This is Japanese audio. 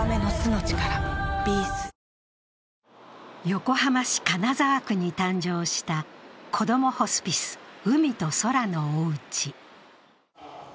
横浜市金沢区に誕生したこどもホスピスうみとそらのおうち。